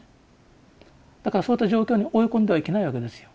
だからそういった状況に追い込んではいけないわけですよ。